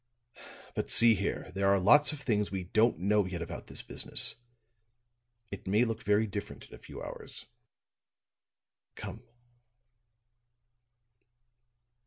But, see here, there are lots of things we don't know yet about this business. It may look very different in a few hours. Come."